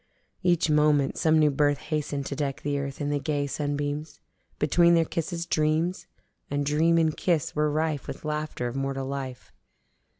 Each moment some new birth hasten'd to deck the earth in the gay sunbeams. Between their kisses dreams: And dream and kiss were rife with laughter of mortal life.